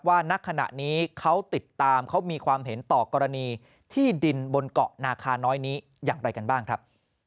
ณขณะนี้เขาติดตามเขามีความเห็นต่อกรณีที่ดินบนเกาะนาคาน้อยนี้อย่างไรกันบ้างครับ